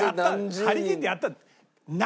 借り切ってやったの。